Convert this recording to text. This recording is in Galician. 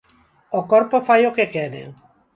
O corpo fai o que quere.